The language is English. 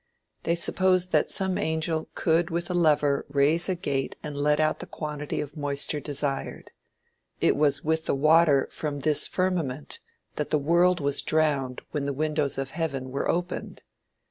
They supposed that some angel could with a lever raise a gate and let out the quantity of moisture desired. It was with the water from this firmament that the world was drowned when the windows of heaven were opened.